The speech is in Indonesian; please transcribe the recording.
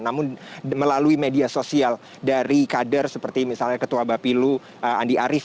namun melalui media sosial dari kader seperti misalnya ketua bapilu andi arief